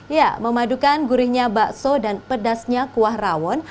ya memadukan gurihnya bakso dan pedasnya kuah rawon